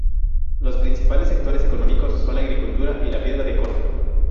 Los principales sectores económicos son la agricultura y la piedra de corte.